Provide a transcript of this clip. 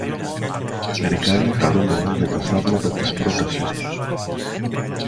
Μερικά είναι χαρούμενα για τα θαύματα της πρότασής τους